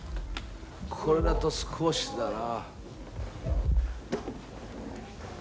これだと少しだな。